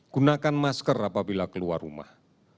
gunakan masker apabila keluar rumah